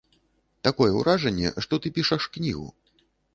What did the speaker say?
Такое ўражанне, што ты пішаш кнігу.